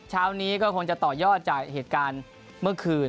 เช้านี้ก็คงจะต่อยอดจากเหตุการณ์เมื่อคืน